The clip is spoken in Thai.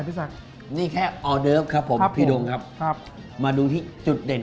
สักนี่แค่ออเดิฟครับผมพี่ดงครับครับมาดูที่จุดเด่น